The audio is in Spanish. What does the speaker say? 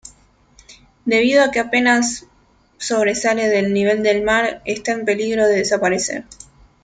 Debido a que apenas sobresale del nivel del mar, está en peligro de desaparecer.